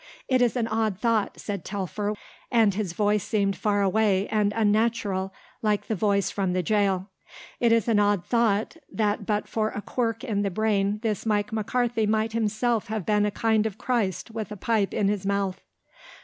"It is an odd thought," said Telfer and his voice seemed far away and unnatural like the voice from the jail; "it is an odd thought that but for a quirk in the brain this Mike McCarthy might himself have been a kind of Christ with a pipe in his mouth."